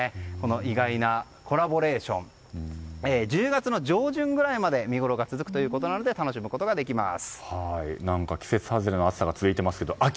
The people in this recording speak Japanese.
意外なコラボレーション１０月の上旬ぐらいまで見ごろが続くということで楽しめます。